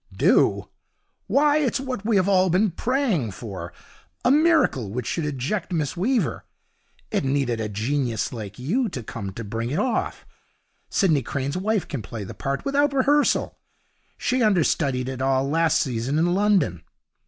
'Do! Why, it's what we have all been praying for a miracle which should eject Miss Weaver. It needed a genius like you to come to bring it off. Sidney Crane's wife can play the part without rehearsal. She understudied it all last season in London.